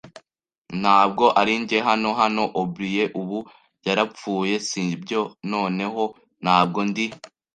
ntabwo ari njye. Hano hano O'Brien ubu - yarapfuye, sibyo? Noneho, ntabwo ndi